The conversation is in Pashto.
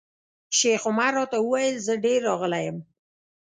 شیخ عمر راته وویل زه ډېر راغلی یم.